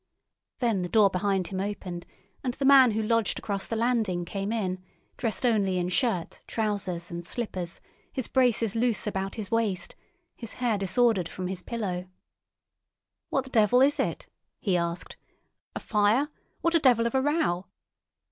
Then the door behind him opened, and the man who lodged across the landing came in, dressed only in shirt, trousers, and slippers, his braces loose about his waist, his hair disordered from his pillow. "What the devil is it?" he asked. "A fire? What a devil of a row!"